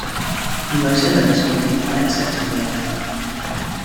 Mozilla responded by accepting the offer.